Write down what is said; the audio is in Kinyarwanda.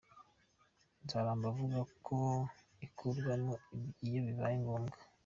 Nzaramba avuga ko ikurwamo iyo bibaye ngombwa.